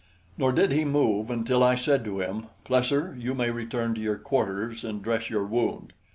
Nor did he move until I said to him: "Plesser, you may return to your quarters and dress your wound."